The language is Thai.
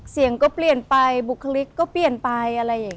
เสียงก็เปลี่ยนไปบุคลิกก็เปลี่ยนไป